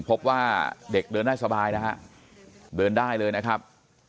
พบว่าเด็กเดินได้สบายนะฮะเดินได้เลยนะครับ